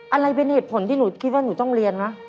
อะไรเป็นเหตุผลที่หนูคิดว่าหนูต้องเรียนวะ